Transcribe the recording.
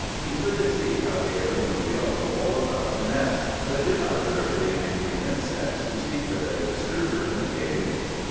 He could see how the air grew yellow all about the nest. But it did not occur to the angry insects to seek for their disturber in the cave.